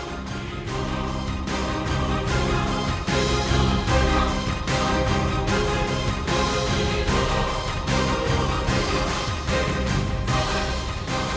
kau sudah menguasai ilmu karang